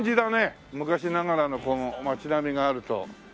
昔ながらの町並みがあると。